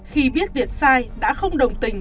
khi biết việc sai đã không đồng tình